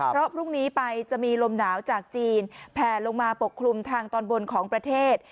เพราะพรุ่งนี้ไปจะมีลมหนาวจากจีนแผลลงมาปกคลุมทางตอนบนของประเทศ